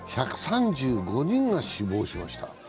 １３５人が死亡しました。